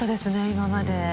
今まで。